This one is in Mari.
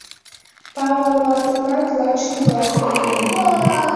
Павыл ватынат лач тугак лийын.